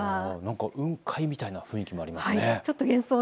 雲海みたいな雰囲気もありますね。